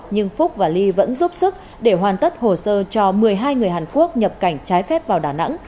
nhưng phúc và ly vẫn giúp sức để hoàn tất hồ sơ cho một mươi hai người hàn quốc nhập cảnh trái phép vào đà nẵng